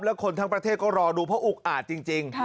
แล้วคนทั้งประเทศก็รอดูเพราะอุกอาจจริง